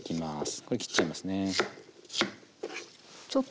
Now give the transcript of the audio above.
これ切っちゃいますね。